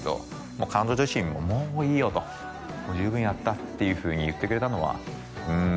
もう彼女自身ももういいよともう十分やったっていうふうに言ってくれたのはうん